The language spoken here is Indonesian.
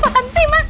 masa bapakan sih mas